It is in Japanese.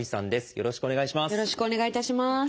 よろしくお願いします。